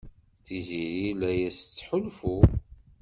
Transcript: Tiziri la as-tettḥulfu.